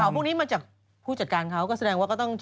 พวกนี้มาจากผู้จัดการเขาก็แสดงว่าก็ต้อง